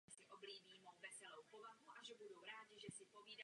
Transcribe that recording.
Ze správního hlediska patří do prefektury Čiba v oblasti Kantó.